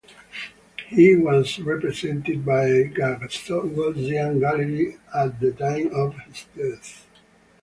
He was represented by Gagosian Gallery at the time of his death.